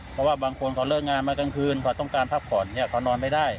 เพราะว่าบางคนเขาเลิกงานมากลางคืนเขาต้องการพักผ่อนเนี่ยเขานอนไม่ได้